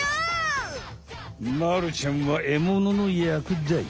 まるちゃんはエモノのやくだ。